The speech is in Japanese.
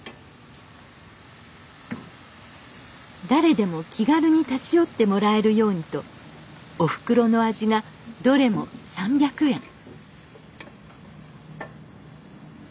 誰でも気軽に立ち寄ってもらえるようにとおふくろの味がどれも３００円